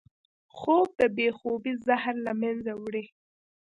خوب د بې خوبۍ زهر له منځه وړي